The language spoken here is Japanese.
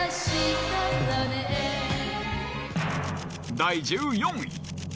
第１４位。